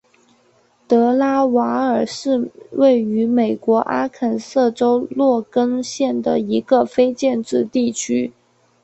德拉瓦尔是位于美国阿肯色州洛根县的一个非建制地区。